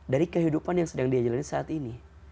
dari kehidupan yang sedang diajalani saat ini